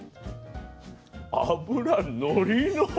脂のりのり。